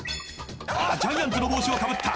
［ジャイアンツの帽子をかぶった。